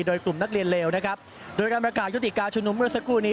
โดยกลุ่มนักเรียนเลวนะครับโดยการประกาศยุติการชุมนุมเมื่อสักครู่นี้